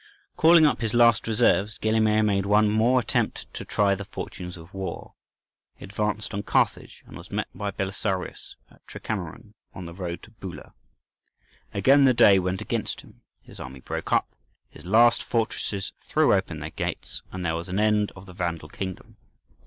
Calling up his last reserves, Gelimer made one more attempt to try the fortunes of war. He advanced on Carthage, and was met by Belisarius at Tricameron, on the road to Bulla. Again the day went against him; his army broke up, his last fortresses threw open their gates, and there was an end of the Vandal kingdom.